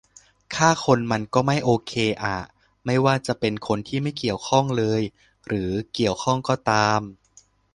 ฆ่าคนมันก็ไม่โอเคอะ ไม่ว่าจะเป็นคนที่ไม่เกี่ยวข้องเลยหรือเกี่ยวข้องก็ตาม